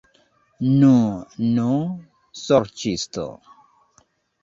Nu, nu, sorĉisto!